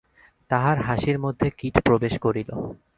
তাহার হাসির মধ্যে কীট প্রবেশ করিল।